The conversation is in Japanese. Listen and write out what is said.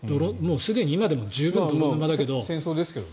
すでに今でも十分泥沼ですけど。